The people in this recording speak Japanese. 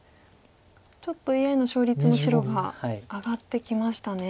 ちょっとＡＩの勝率も白が上がってきましたね。